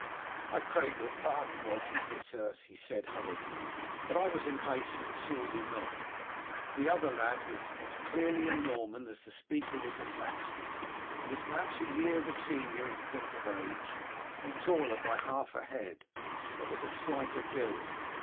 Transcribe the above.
"I crave your pardon, Walter Fitz Urse," he said hurriedly, "but I was in haste and saw you not." The other lad was as clearly Norman as the speaker was Saxon. He was perhaps a year the senior in point of age, and taller by half a head, but was of slighter build.